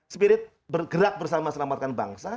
spirit bergerak bersama selamatkan bangsa